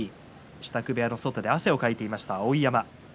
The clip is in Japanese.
支度部屋の外で汗をかいていた碧山。